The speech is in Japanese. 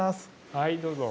はいどうぞ。